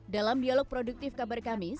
dalam dialog produktif kabar kamis